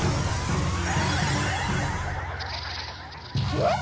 えっ？